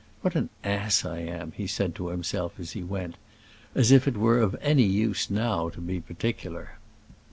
"What an ass I am," he said to himself as he went: "as if it were of any use now to be particular!"